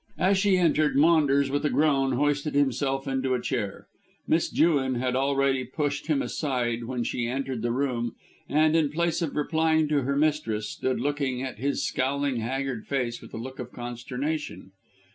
As she entered Maunders with a groan hoisted himself into a chair. Miss Jewin had already pushed him aside when she entered the room and, in place of replying to her mistress, stood looking at his scowling, haggard face with a look of consternation.